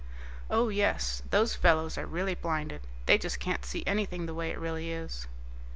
"Oh yes. Those fellows are really blinded. They just can't see anything the way it really is."